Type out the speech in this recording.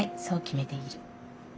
そう決めている。